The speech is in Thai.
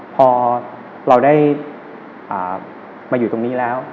พอเราได้มาอยู่ตรงนี้แล้ว